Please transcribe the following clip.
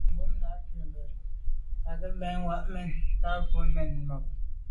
Ngômnà' cúp mbə̄ á gə̀ mə̄ vwá' mɛ́n gə ̀tá bû mɛ́n bû máàp.